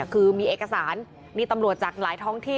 คือมีเอกสารมีตำรวจจากหลายท้องที่